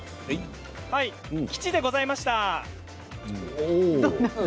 吉でございました。